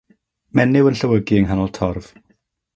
Menyw yn llewygu ynghanol torf.